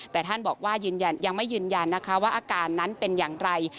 แต่ท่านบอกว่ายังไม่ยืนยันนะคะว่าอาการนั้นเป็นอย่างไร